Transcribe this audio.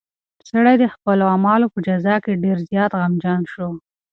سړی د خپلو اعمالو په جزا کې ډېر زیات غمجن شو.